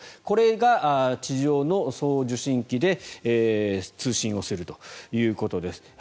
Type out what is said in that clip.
これが地上の送受信機で通信をするということです。